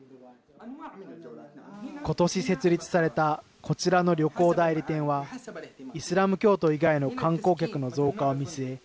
ことし設立されたこちらの旅行代理店はイスラム教徒以外の観光客の増加を見据え